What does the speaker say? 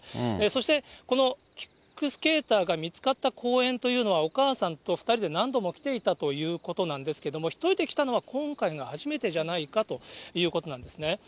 そして、このキックスケーターが見つかった公園というのは、お母さんと２人で何度も来ていたということなんですけれども、１人で来たのは今回が初めてじゃないかということなんですね。